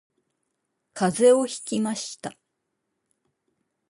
風邪をひきました